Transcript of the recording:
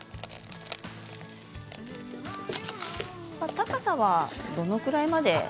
高さはどのくらいまで？